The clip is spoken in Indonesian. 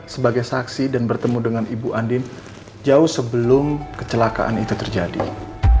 sebagai saksi dan bertemu dengan ibu andin jauh sebelum kecelakaan itu terjadi